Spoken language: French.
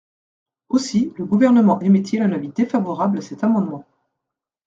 Aussi le Gouvernement émet-il un avis défavorable à cet amendement.